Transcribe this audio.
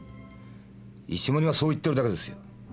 石森がそう言ってるだけですよ。